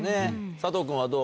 佐藤君はどう？